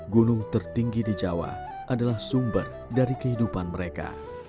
gunung tertinggi di jawa adalah sumber dari kehidupan mereka